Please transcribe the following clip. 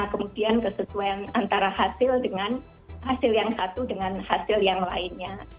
kemudian kesetujuan antara hasil dengan hasil yang satu dengan hasil yang lainnya